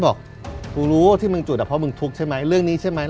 บอกกูรู้ที่มึงจุดอ่ะเพราะมึงทุกข์ใช่ไหมเรื่องนี้ใช่ไหม